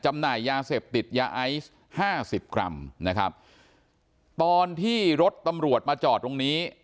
หน่ายยาเสพติดยาไอซ์ห้าสิบกรัมนะครับตอนที่รถตำรวจมาจอดตรงนี้